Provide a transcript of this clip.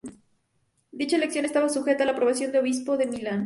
Dicha elección estaba sujeta a la aprobación del obispo de Milán.